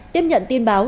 tiếp nhận tin báo